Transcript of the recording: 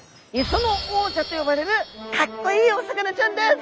磯の王者と呼ばれるかっこいいお魚ちゃんです。